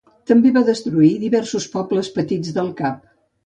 També va destruir diversos pobles petits del cap.